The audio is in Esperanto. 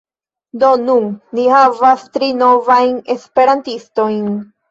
Do nun ni havas tri novajn esperantistojn.